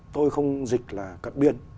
tôi không dịch là cất biên